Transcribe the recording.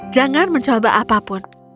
jangan mencoba apapun sampai saat itu